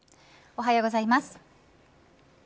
おはようございます。